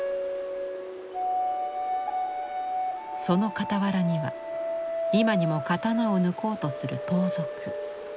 その傍らには今にも刀を抜こうとする盗賊。